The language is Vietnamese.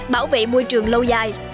bảo vệ môi trường lâu dài